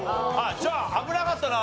じゃあ危なかったな。